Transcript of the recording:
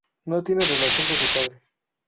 No tiene relación con su padre.